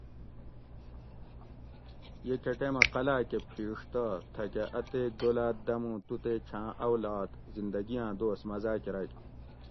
یہ کہۤ ٹیمہ قلعاۤ کہۤ پھیڛ تہ تھہ کہ اتیک دولات دم اوں تو تے چھاۤن اولاد زندہ گیاۤں دوس مزا کۤرگ